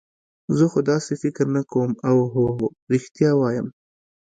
زه خو داسې فکر نه کوم، اوه رښتیا وایم.